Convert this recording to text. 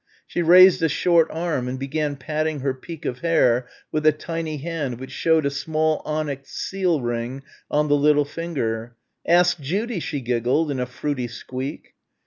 She raised a short arm and began patting her peak of hair with a tiny hand which showed a small onyx seal ring on the little finger. "Ask Judy!" she giggled, in a fruity squeak.